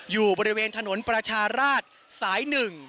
อยู่บริเวณถนนประชาราชสาย๑